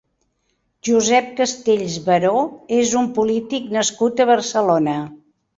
Josep Castells Baró és un polític nascut a Barcelona.